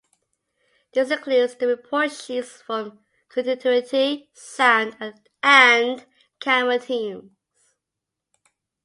This includes the report sheets from continuity, sound, and camera teams.